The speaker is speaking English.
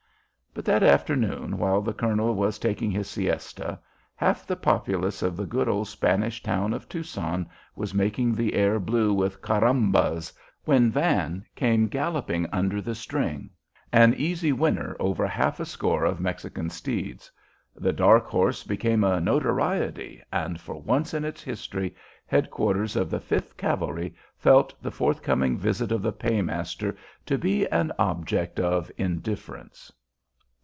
But that afternoon, while the colonel was taking his siesta, half the populace of the good old Spanish town of Tucson was making the air blue with carambas when Van came galloping under the string an easy winner over half a score of Mexican steeds. The "dark horse" became a notoriety, and for once in its history head quarters of the Fifth Cavalry felt the forthcoming visit of the paymaster to be an object of indifference.